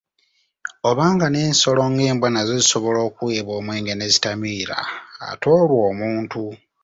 Obanga n'ensolo ng'embwa nazo zisobola okuweebwa omwenge ne zitamiira ate olwo omuntu!